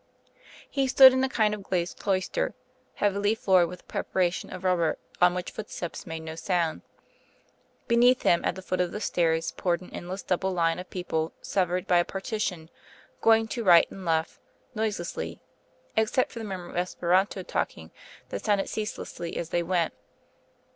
He stood in a kind of glazed cloister, heavily floored with a preparation of rubber on which footsteps made no sound. Beneath him, at the foot of the stairs, poured an endless double line of persons severed by a partition, going to right and left, noiselessly, except for the murmur of Esperanto talking that sounded ceaselessly as they went.